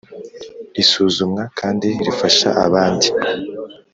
risuzumwa kandi rifasha abandi